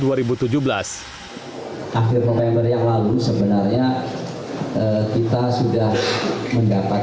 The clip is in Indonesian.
akhir november yang lalu sebenarnya kita sudah mendapatkan